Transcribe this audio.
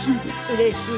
うれしい。